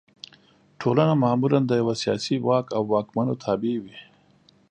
ټولنه معمولا د یوه سیاسي واک او واکمنو تابع وي.